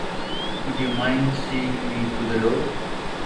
Would you mind seeing me to the door?